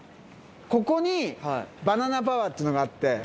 ここにバナナパワーっていうのがあって。